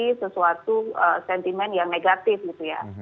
jadi sesuatu sentimen yang negatif gitu ya